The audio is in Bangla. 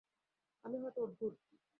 আমি হয়তো অদ্ভুত।